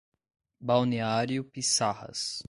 Balneário Piçarras